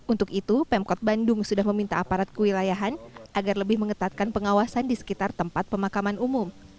untuk itu pemkot bandung sudah meminta aparat kewilayahan agar lebih mengetatkan pengawasan di sekitar tempat pemakaman umum